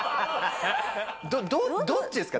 どっちですか？